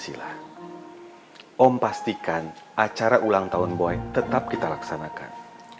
om pastikan acara ulang tahun boy tetap kita laksanakan